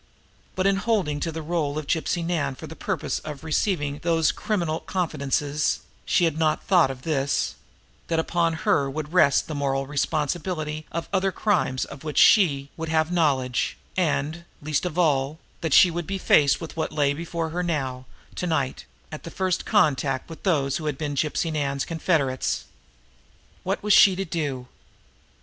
But in holding to the role of Gypsy Nan for the purpose of receiving those criminal confidences, she had not thought of this that upon her would rest the moral responsibility of other crimes of which she would have knowledge, and, least of all, that she should be faced with what lay before her now, to night, at the first contact with those who had been Gypsy Nan's confederates. What was she to do?